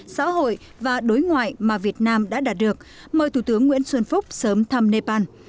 xã hội và đối ngoại mà việt nam đã đạt được mời thủ tướng nguyễn xuân phúc sớm thăm nepal